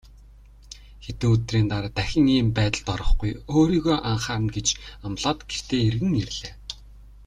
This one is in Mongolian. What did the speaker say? Хэдэн өдрийн дараа дахин ийм байдалд орохгүй, өөрийгөө анхаарна гэж амлаад гэртээ эргэн ирлээ.